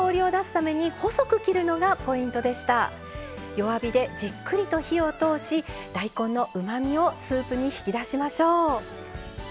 弱火でじっくりと火を通し大根のうまみをスープに引き出しましょう。